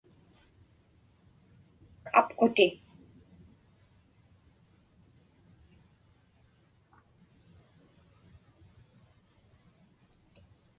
apquti